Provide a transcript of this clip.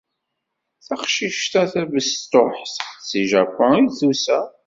Taqcict-a tabestuḥt seg Japun i d-tusa.